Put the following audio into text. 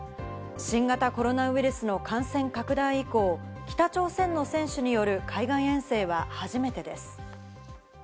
新型コロナウイルスの感染拡大以降、北朝鮮の選手による海外遠征は初めてです。